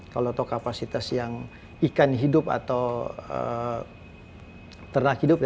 kalau untuk kapasitas yang ikan hidup atau ternak hidup